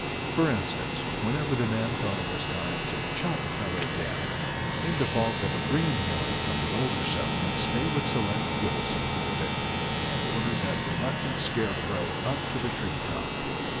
For instance, whenever the men thought it was time to "chop a fellow down," in default of a greenhorn from the older settlements they would select Gillsey for the victim, and order that reluctant scarecrow up to the tree top.